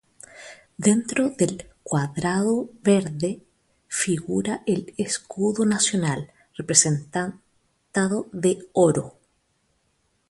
Dentro del cuadrado verde figura el escudo nacional, representado de oro".